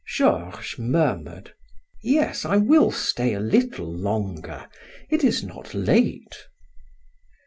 Georges murmured: "Yes, I will stay a little longer: it is not late."